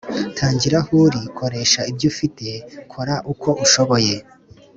“tangira aho uri. koresha ibyo ufite. kora uko ushoboye. ”